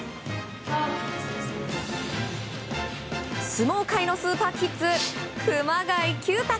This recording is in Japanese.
相撲界のスーパーキッズ熊谷毬太